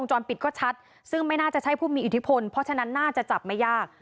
จรปิดก็ชัดซึ่งไม่น่าจะใช่ผู้มีอิทธิพลเพราะฉะนั้นน่าจะจับไม่ยาก